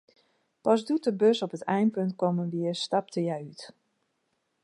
Pas doe't de bus op it einpunt kommen wie, stapte hja út.